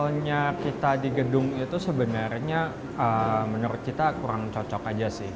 soalnya kita di gedung itu sebenarnya menurut kita kurang cocok aja sih